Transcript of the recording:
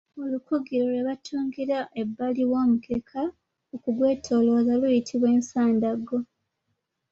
Olukugiro lwe batungira ebbali w'omukeeka okugwetoolooza luyitibwa ensandaggo